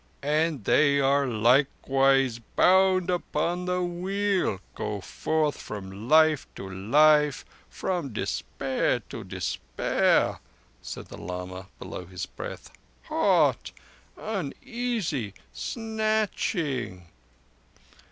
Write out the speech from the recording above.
"And they likewise, bound upon the Wheel, go forth from life to life—from despair to despair," said the lama below his breath, "hot, uneasy, snatching."